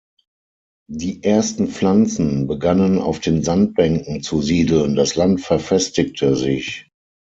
Die ersten Pflanzen begannen auf den Sandbänken zu siedeln, das Land verfestigte sich.